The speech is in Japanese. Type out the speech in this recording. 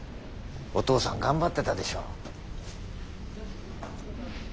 お父さん頑張ってたでしょう？